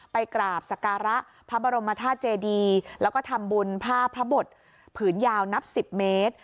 ไปกราบสการะพระบรมธาตุเจดีแล้วก็ทำบุญผ้าพระบทผืนยาวนับ๑๐เมตร